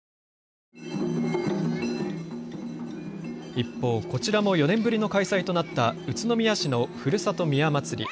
一方こちらも４年ぶりの開催となった宇都宮市のふるさと宮まつり。